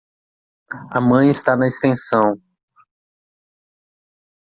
A mãe está na extensão.